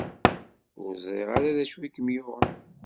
Ur ẓriɣ ara d acu i kem-yuɣen.